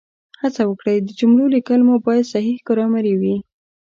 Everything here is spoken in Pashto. هڅه وکړئ د جملو لیکل مو باید صحیح ګرامري وي